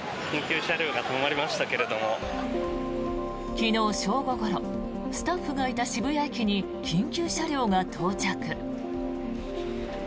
昨日正午ごろスタッフがいた渋谷駅に緊急車両が到着。